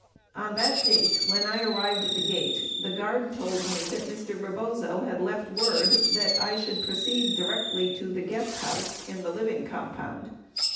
On that date when I arrived at the gate, the guard told me that Mr. Re bozo had left word that I should proceed directly to the guest house in the living compound.